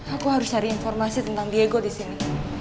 aku harus cari informasi tentang diego disini